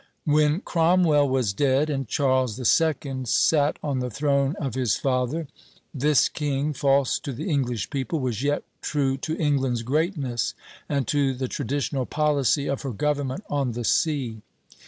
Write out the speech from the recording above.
When Cromwell was dead, and Charles II. sat on the throne of his father, this king, false to the English people, was yet true to England's greatness and to the traditional policy of her government on the sea.